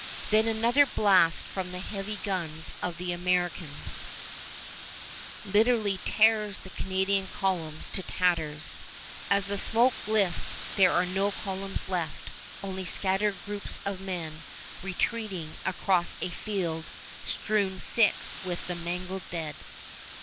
Then another blast from the heavy guns of the Americans literally tears the Canadian columns to tatters. As the smoke lifts there are no columns left, only scattered groups of men retreating across a field strewn thick with the mangled dead.